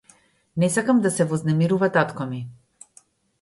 Не сакам да се вознемирува татко ми.